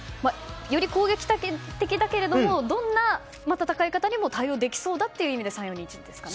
より攻撃的だけれどもどんな戦い方にも対応できそうだということでそうです。